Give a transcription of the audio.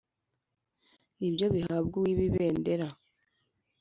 nibyo bihabwa uwiba ibendera